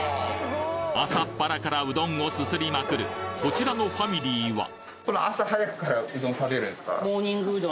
朝っぱらからうどんをすすりまくるこちらのファミリーはモーニングうどん？